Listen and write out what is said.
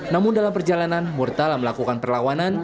namun dalam perjalanan murtala melakukan perlawanan